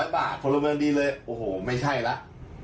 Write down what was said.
ป่าพลเมืองดีเลยโอ้โหไม่ใช่แล้ว